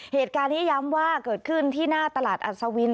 เหตุการณ์นี้ย้ำว่าเกิดขึ้นที่หน้าตลาดอัศวิน